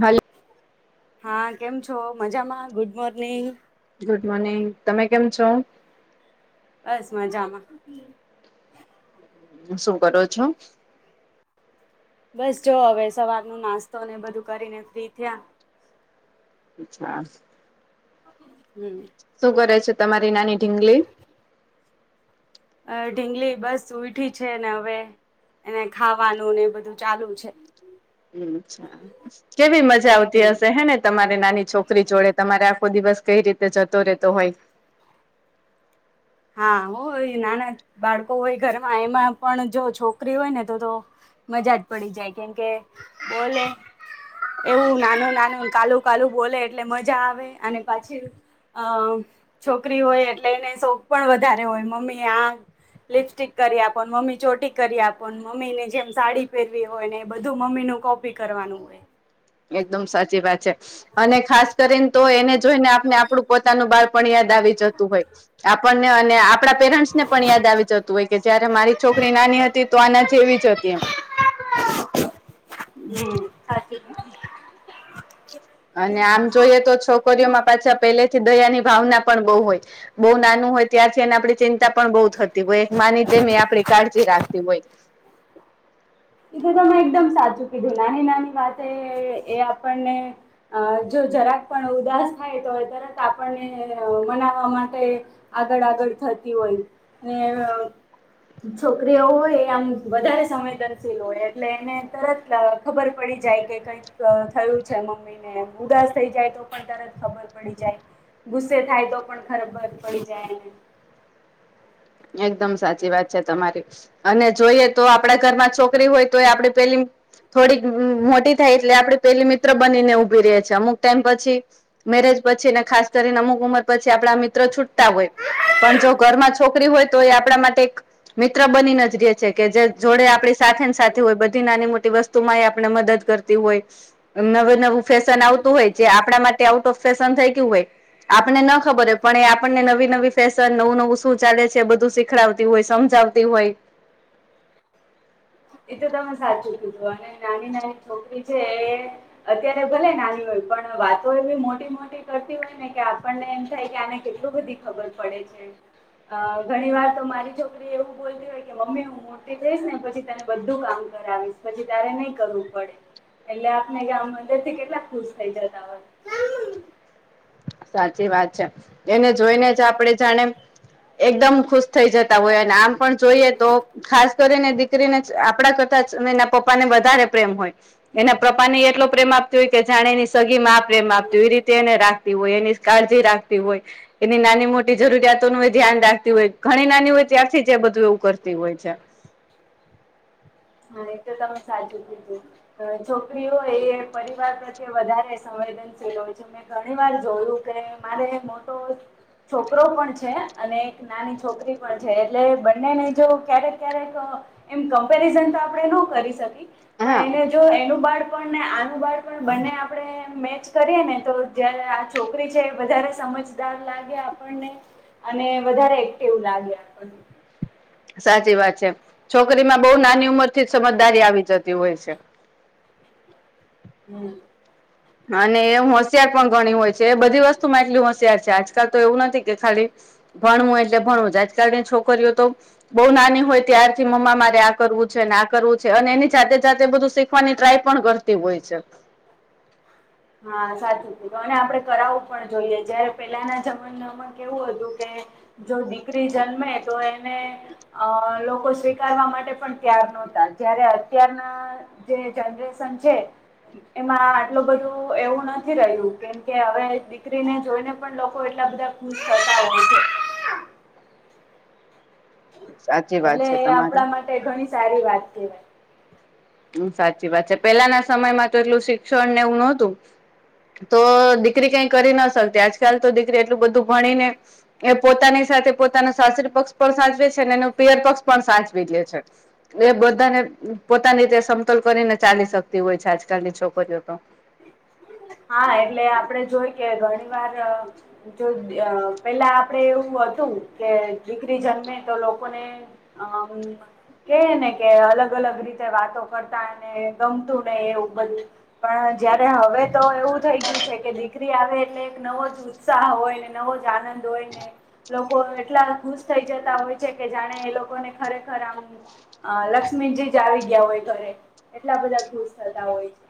હલ્ હા કેમ છો મજામાં ગુડ મોર્નિંગ ગુડ મોર્નિંગ તમે કેમ છો. બસ મજામાં શું કરો છો. બસ જો હવે સવાર ન નાસ્તો ને બધું કરીને ફ્રી થયા અચ્છા હમ શું કરે છે તમારી નાની ઢીંગલી અ ઢીંગલી બસ ઉઈઠી છે ને હવે એને ખાવાનું ને બધું ચાલુ છે. ્છા કેવી મજા આવતી હમ હશે હે ને તમારે નાની છોકરી જોડે તમારે આખો દિવસ કઈ રીતે જતો રહેતો હોય હા હોય નાના બાળકો હોય ઘરમાં એમાં પણ જો છોકરી હોય ને તો તો મજાજ પડી જાય કેમ કે બોલે એવું નાનું નાનું કાલું કાલું બોલે એટલે મજા આવે અને પછી અ છોકરી હોય એટલે એને શોખ પણ વધારે હોય મમ્મી આ લિપસ્ટિક કરી આપ મમ્મી ચોટી કરી આપ મમ્મી ને જેમ સાડી પહેરવી હોય ને એ બધું મમ્મીનું કોપ ી કરવાનું હોય એકદમ સાચી વાત છે. અને ખાસ કરીને તો એને જોઈને આપને આપણું પોતાનું બાળપણ યાદ આવી જતું હોય આપણને અને આપડા પેરેન્ટ્સ ને પણ યાદ આવી જતું હોય કે જયારે મારી છોકરી નાની હતી તો આના જેવી જ હતી એમ સાચી અને આમ જોઈએ તો છોકરીઓમાં પાછા પહેલેથી દયા ની ભાવના પણ બો હોય બો નાનું હોય ત્યારથી એને આપડે ચિંતા પણ બો થતી હોય એક માની જેમ આપડી એ કાળજી રાખતી હોય એતો તમેં એકદમ સાચું કીધું નાની નાની વાતે એ આપણને અ જો જરાક પણ ઉદાસ થાય તો તરત આપણને મનાવવા માટે આગળ આગળ થતી હોય ને છોકરીઓ હોય આમ વધારે સમય ત [unintelligible] એટલે એને તરત ખબર પડી જાય કે કઈક થયું છે, મમ્મી ને ઉદાસ થઈ જાય તો પણ તરત ખબર પડી જાય ગુસ્સે થાય તો પણ ખરાબર પડી જાયને એકદમ સાચી વાત છે, તમારી અને જોઈએ તો આપડા ઘરમાં છોકરી હોય તો એ આપે પેલી થોડીક મોટી થાય એટલે આપડ પેલી મિત્ર બનીને ઊભી રે છે, અમુક ટાઈમ પછી મેરેજ પછી ને ખાસ કરીને અમુક ઉંમર પછી આપણા મિત્ર છૂટતા હોય પણ જો ઘરમાં છો કરી હોય તો એ આપણા માટે એક મિત્ર બની નજરીએ છે, કે જે જોડે આપડી સાથે સાથે હોય બધી નાની મોટી વસ તુ માય આપણે મદદ કરતી હોય નવું નવું ફેશન આવતું હોય જે આપણા માટે આઉટ ઓફ ફેશન થઈ ગયું હોય આપણને ન ખબર હો પણ એ આપણને નવી નવી ફેશન નવું નવું શું ચાલે છે, બધું શીખડાવતી હોય સમજાવતી હોય એ તો તમે સાચું કીધું અને નાની નાની છોકરી છે, એ અત્યારે ભલે નાની હોય પણ વાતો એવી મોટી મોટી કરતી હોય ને કે આપણને એમ થાય કે આને કેટલુ બધી ખબર પડે છે. અ ઘણી વાર તો મારી છોકરી એવું બોલતી હોય કે મમ્મી હું મોટી થઈશ ને પછી તને બધું કામ કરાવીશ પછી તારે નહી કરવું પડે એટલે આપને ગામ [unintelligible] મંદર થી કેટલા ખુશ થઇ જતા હોય સાચી વાત છે, એને જોઈને જ આપણેે જાણે એકદમ ખુશ થઈ જતા હોય અને આમ પણ જોઈએ તો ખાસ કરીને દીકરીને આપડા કરતા એના પપ્પા ને વધારે પ્રેમ હોય એના પપ્પાને એટલો પ્રેમ આપતી હોય કે જાણે ની સગી માં આ પ્રેમ આપતી હોય એવી રીતે એને રા તી હોય એની કાળજી રાખતી હોય એની નાની મોટી જરૂરિયાતો નુ ધ્યાન રાખતી હોય ઘણી નાની હોય ત્યારથી જ બધું એવું કરતી હોય છે. હા એ તો તમે સાચું કીધું છોકરીઓ એ પરિવાર પ્રત્યે વધારે સંવેદનશીલ હોય છે. મેં ઘણી વાર જોયું કે મારે મોટો છોકરો પણ છે, અને એક નાની છોકરી પણ છે, એટલે બંનેને જો ક્યારેક ક્યારેક એમ કમ્પેરિઝન તો આપણે ન કરી શકી પણ હા એને જો એનું બાળ પઙને આનું બાળ પણ બંને આપણે મેચ કરીએ ને તો જયારે આ છોકરી છે, એ વધારે સમજ દાર લાગે આપને અને વધારે એક્ટિવ લાગે [unintelligible] સાચી વાત છે, છોકરીમાં બો નાની ઉંમરથી જ સમજદારી આવી જતી હોય છે. હમ. હ ને એ હોશિયાર પણ ઘણી હોય છે, એ બધી વસ્તુમાં એટલી હોશિયાર છે, આજકાલ તો એવું નથી કે ખાલી ભણવું એટલે ભણવું આજકાલની છોકરીઓ તો બો નાની હોય ત્યારથી મમ્મા મારે આ કરવું છે, અને આ કરવું છે, અને એની જાતે જાતે બધું શી ખવાની ટ્રાય પણ કરતી હોય છે. હા સાચું છે, અને આપડે કરાવવું પણ જોઈએ જયારે પેલાના જમાનામા કેવું હતું કે જો દીકરી જન્મે તો એને અ લોકો સ્વીકારવા માટે પણ ત્યાર નહોતા જય્યારે અત્યારના જે જનરેશન છે, એમાં આટલું બધું તો એવું નથી રહ્યું. કેમ કે હવે દીકરીને જોઈને પણ લોકો એટલા બધા ખુશ થતા હોય છે. સાચી એટલે વાત છે એ તમારી આપણા માટે ઘણી સારી વાત કેહેવાય. હમ સાચી વાત છે. પેલાના સમયમાં તો એટલું શિક્ષણ ને એવું નહોતું. તો દીકરી કાઈ કરી ના શકતી. આજકાલ તો દીકરી એટલું બધું ભણી ને એ પોતાની સાથે પોતાનો સાસરી પક્ષ પણ સાચવે છે, ને એનો પીયર પક્ષ પણ સાચવી લે છે. એ બધાને પોતાની રીતે સમતોલ કરીને ચાલી શકતી હોય છે આજકાલની છોકરીઓ તો. હા એટલે આપડે જોઈ કે ઘણી વાર અ જો પેલા આપડે એવું હતું કે દીકરી જન્મે તો લોકોને અમ અ કે ને કે અલગ અલગ રીતે વાતો કરતા ને ગમતું નહીં એવું બધું. પણ જયારે હવે તો એવું થઇ ગયું છે કે દીકરી આવે એટલે એક નવો જ ઉત્સાહ હોય ને, નવો જ આનંદ હોય ને. લોકો એટલા ખુશ થઈ જતા હોય છે કે જાણે એ લોકોને ખરેખર આમ. અ લક્ષ્મીજી જ આવી ગયા હોય ઘરે એટલા બધા ખુશ થતા હોય છે.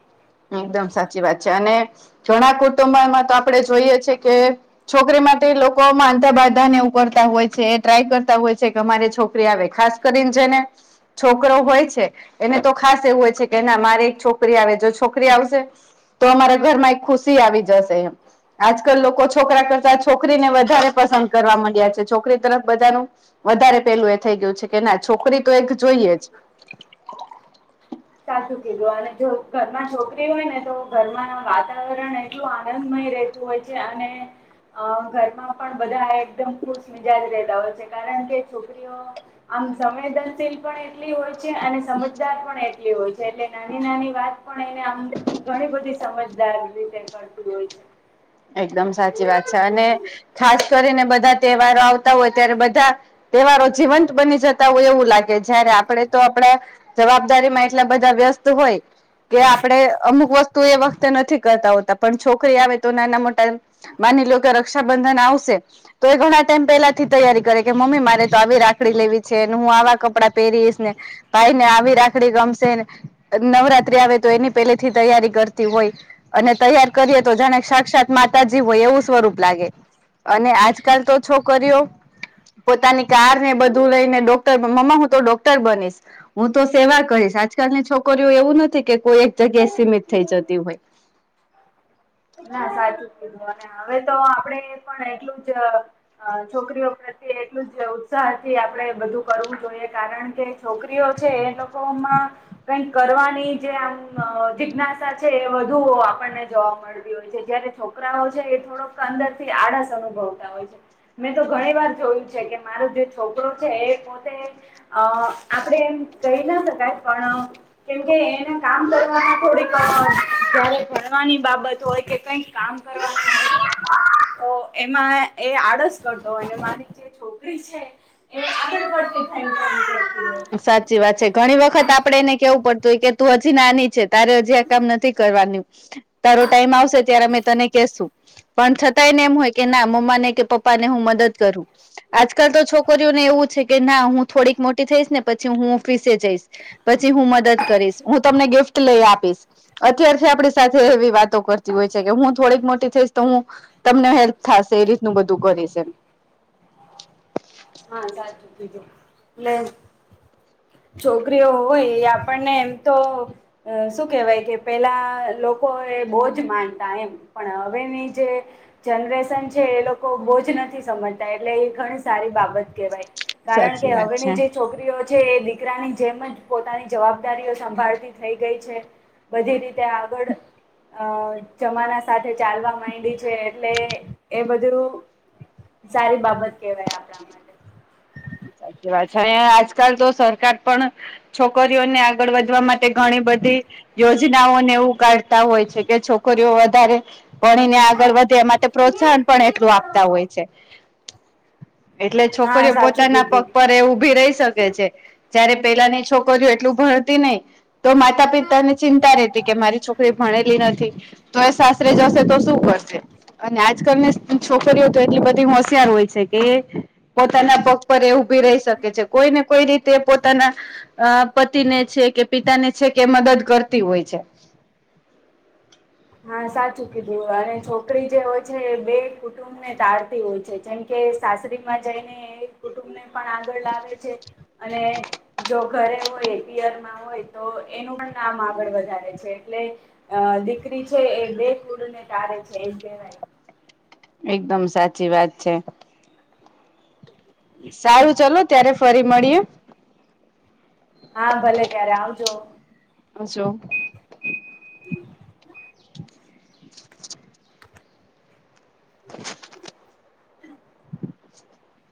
એકદમ સાચી વાત છે. અને ઘણા કુટુંબમાં તો આપણે જોઈએ છે કે છોકરી માટે લોકો માનતા, બાધા ને એવું કરતા હોય છે એ ટ્રાય કરતા હોય છે કે અમારે છોકરી આવે ખાસ કરી ને જેને છોકરો હોય છે એને તો ખાસ એવું હોય છે કે ના મારે એક છોકરી આવે. જો છોક છોકરી આવશે તો અમારા ઘરમાં એક ખુશી આવી જશે એમ. આજકાલ લોકો છોકરા કરતા છોકરીને વધારે પસંદ કરવા માંડ્યા છે. છોકરી તરફ બધાનું વધારે પેલું એ થઈ ગયું છે કે ના છોકરી તો એક જોઈએ જ. સાચું કીધું. અને જો ઘરમાં છોકરી હોય ને તો ઘરમાં વાતાવરણ એટલું આનંદમય રહે તું હોય છે. અને અ ઘરમાં પણ બધા એકદમ ખુશ મિજાજ રહેતા હોય છે. કારણ કે છોકરીઓ આમ સંવેદનશીલ પણ એટલી હોય છે અને સમજદાર પણ એટ લી હોય છે. એટલે નાની નાની વાત પણ એને આમ ઘણી બધી સમજદાર રીતે કરતી હોય છે. એકદમ સાચી વાત છે. અને ખાસ કરીને બધા તહેવારો આવતા હોય ત્યારે બધા તહેવારો જીવંત બની જતા હોય એવું લાગે. જયારે આપણે તો આપણા જવાબદારીમાં એટલા બધા વ્યસ્ત હોઈ. કે આપણે અમુક વસ્તુ એ વખતે નથી કરતા હોતા. પણ છોકરી આવે તો નાના મોટા માની લો કે કે રક્ષાબંધન આવશે તો એ ઘણા ટાઈમ પેલાથી તૈયારી કરે કે મમ્મી મારે તો આવી રાખડી લેવી છે ને, હું આવા કપડાં પહેરીશ ને, ભાઈ ને આવી રાખડી ગમશે ને. નવરાત્રી આવે તો એની પેલેથી તૈયારી કરતી હોય. અને તૈયાર કરીએ તો જાણે સાક્ષાત માતાજી હોય એવું સ્વરૂપ લાગે. અને આજકાલ તો છોકરીઓ પોતાની કાર ને બધું લઈને ડોક્ટર મમા હું તો ડોક્ટર બનીશ. હું તો સેવા કરીશ આજકાલની છોકરીઓ એવું નથી કે કોઈ એક જગ્યાએ સીમિત થઈ જતી હોય. ના સાચું કીધું. અને હવે તો આપડે પણ એટલું જ અ અ છોકરીઓ પ્રત્યે એટલું જ ઉત્સાહથી આપણે બધું કરવું જોઈએ. કારણ કે છોકરીઓ છે એ લોકોમાં કાંઈક કરવાની જે આમ જિજ્ઞાસા છે એ વધુ આપણને જોવા મળ તી હોય છે. જયારે છોકરાઓ છે એ થોડોક અંદરથી આળસ અનુભવતા હોય છે. મેં તો ઘણી વાર જોયું છે કે મારો જે છોકરો છે એ પોતે અ આપડે એમ કહી ના શકાય. પણ કેમ કે એને કામ કરવામાં થોડીક ઘરે ભણવાની બાબત તો હોય કે કઈ કામ કરવાનું તો એમાં એ આળસ કરતો હોય ને મારી ચી છોકરી છે એગ [inaudible] સાચી વાત છે ઘણી વખત આપડે એને કેવું પડ તો કે તું હજી નાની છે તારે હજી આ કામ નથી કરવાનું. તારો ટાઈમ આવશે ત્યારે અમે તને કેશુ પણ થતાય ને એમ હોય કે ના મમ્મા ને કે પપ્પા ને હું મદદ કરું આજકાલ તો છોકરીઓને એવું છે કે ના હું થોડીક મોટી થઈશ ને પછી હું ઓફિસે જઈશ પછી હું મદદ કરીશ હું તમને ગિફ્ટ લઈ આપીશ અત્યારથી આપડી સાથે એવી વાતો કરતી હોય છે કે હું થોડીક મોટી થઈશ તો હું તમને હેલ્પ થશે એ રીતનું બધું કરી છે હા સાચું કીધું એટલે છોકરીઓ હોય એ આપણને એમ તો અ શું કેહેવાય કે પેલા લોકો એ બહુજ માનતા એમ પણ હવેની જે જનરેશન છે એ લોકો બોજ નથી સમજતા એટલે એ ઘણી સારી બાબત કેહેવાય કારણ સાચી કે વાત હવેની છે જે છોકરી દીરીઓ છે એ દીકરાની જેમ જ પોતાની જવાબદારીઓ સંભાળતી થઈ ગઈ છે. બધી રીતે આગળ અ જમાના સાથે ચાલવા માંડી છે એટલે એ બધું સારી બાબત કેહેવાય આપણા માટે સાચી વાત છે આજકાલ તો સરકાર પણ છોકરીઓને આગળ વધી માટે ઘણી બધી યોજનાઓને એવું કાઢતા હોય છે કે છોકરીઓ વધારે ભણીને આગળ વધે એ માટે પ્રોત્સાહન પણ એટલું આપતા હોય છે એટલે હા છોકરીઓ સાચું પોતાના પગ કીધું પર ઉભી રહી શકે છે જયારે પેલાની છોકરીઓ એટલું ભણતી નહી તો માતા પિતા ને ચિંતા રહેતી કે મારી છોકરી ભણેલી નથી તો એ સાસરે જશે તો શું કરશે અને આજકાલ ને છોકરીઓ તો એટલી બધી હોશિયાર હોય છે કે પોતાના પગ પર એ ઉભી રહી શકે છે કોઈને કોઈ રીતે પોતાના અ પતિને છે કે પિતાને છે કે મદદ કરતી હોય છે હા સાચું કીધું અને છોકરી જે હોય છે બે કુટુંબ ને દાળતી હોય છે જેમ કે સાસરીમાં જઈને કુટુંબ ને પણ આગળ લાવે છે અને જો ઘરે હોય પિયરમાં હોય તો એનું પણ આમ આગળ વધારે છે એટલે અ દીકરી છે એ બે કુડને તારે છે એમ કહેવાય એકદમ સાચી વાત છે સારું ચાલ ત્યારે ફરી મળીએ હા ભલે ત્યારે આવજો હજો હ [inaudible] હ